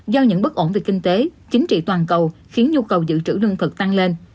do những bất ổn về kinh tế chính trị toàn cầu khiến nhu cầu dự trữ lương thực tăng lên